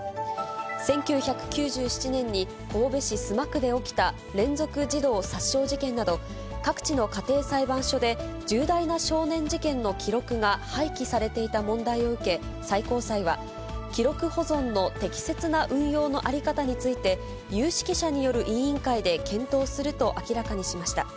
１９９７年に神戸市須磨区で起きた連続児童殺傷事件など、各地の家庭裁判所で重大な少年事件の記録が廃棄されていた問題を受け、最高裁は、記録保存の適切な運用の在り方について、有識者による委員会で検討すると明らかにしました。